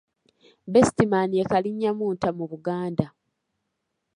Besitiimaani y’ekalinnyamunta mu Buganda.